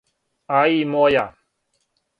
А и моја.